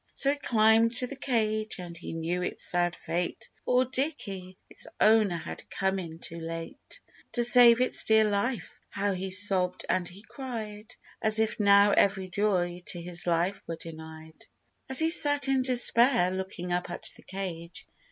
So he climbed to the cage, and he knew its sad fate ! Poor Dicky ! its owner had come in too late To save its dear life ! How he sobbed and he cried, As if now every joy to his life were denied. 84 GEORGE AND HIS CANARY. As he sat in despair, looking up at the cage.